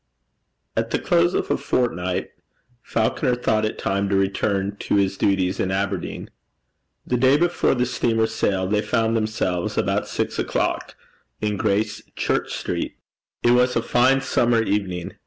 At the close of a fortnight, Falconer thought it time to return to his duties in Aberdeen. The day before the steamer sailed, they found themselves, about six o'clock, in Gracechurch Street. It was a fine summer evening.